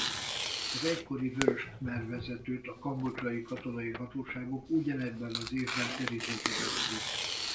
Az egykori vörös khmer vezetőt a kambodzsai katonai hatóságok ugyanebben az évben őrizetbe vették.